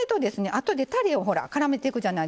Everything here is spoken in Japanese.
あとでたれをからめていくじゃないですか。